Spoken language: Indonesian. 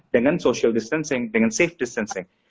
dengan social distancing dengan safe distancing